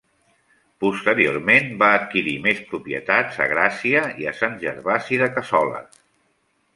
Posteriorment va adquirir més propietats a Gràcia i a Sant Gervasi de Cassoles.